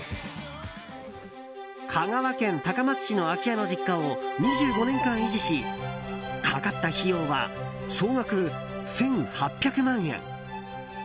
香川県高松市の空き家の実家を２５年間維持しかかった費用は総額１８００万円。